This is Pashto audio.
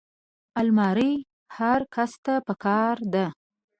الماري هر کس ته پکار ده